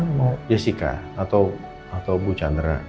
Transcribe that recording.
mau jessica atau bu chandra